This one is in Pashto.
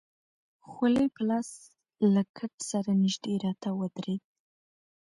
خولۍ په لاس له کټ سره نژدې راته ودرېد.